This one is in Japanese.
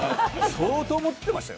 相当、持ってましたよ。